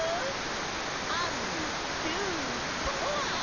アンドゥトロワ！ホホホ！